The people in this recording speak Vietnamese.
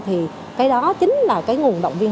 thì cái đó chính là cái nguồn động viên